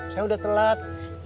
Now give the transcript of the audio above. saya udah telat